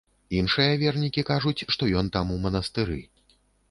Іншыя вернікі кажуць, што ён там у манастыры.